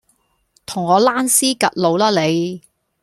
同我躝屍趌路啦你